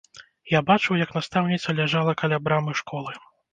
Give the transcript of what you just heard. Я бачыў, як настаўніца ляжала каля брамы школы.